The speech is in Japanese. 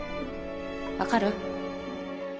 分かる？